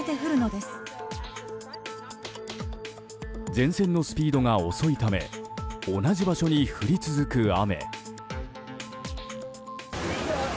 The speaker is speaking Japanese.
前線のスピードが遅いため同じ場所に降り続く雨。